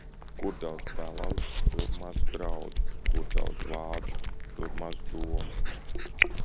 Kur daudz pelavu, tur maz graudu; kur daudz vārdu, tur maz domu.